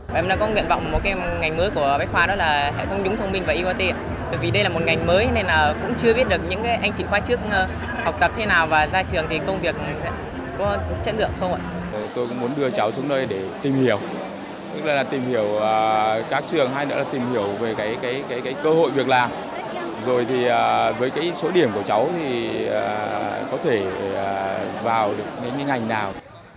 việc làm rồi thì với số điểm của cháu thì có thể vào được những ngành nào